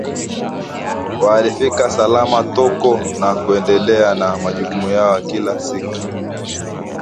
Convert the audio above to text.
Walifika salama Toko na kuendelea na majukumu yao ya kila siku